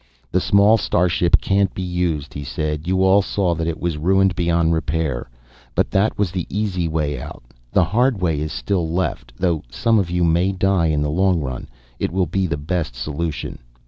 "The small star ship can't be used," he said. "You all saw that it was ruined beyond repair. But that was the easy way out. The hard way is still left. Though some of you may die, in the long run it will be the best solution.